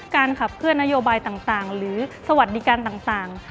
การขับเคลื่อนนโยบายต่างหรือสวัสดิการต่าง